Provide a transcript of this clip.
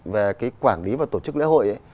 về cái quản lý và tổ chức lễ hội